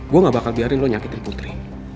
gue gak bakal biarin lo nyakitin putri